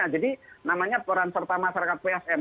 jadi namanya peran serta masyarakat psm